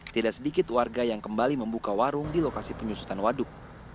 tidak sedikit warga yang kembali membuka warung di lokasi penyusutan waduk